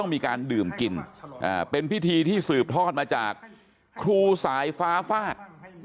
มีการดื่มกินเป็นพิธีที่สืบทอดมาจากครูสายฟ้าฟาด